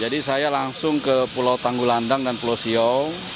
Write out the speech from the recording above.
jadi saya langsung ke pulau tagu landang dan pulau siau